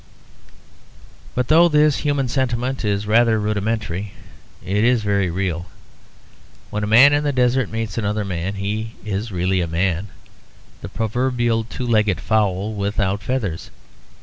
But though this human sentiment is rather rudimentary it is very real. When a man in the desert meets another man, he is really a man; the proverbial two legged fowl without feathers.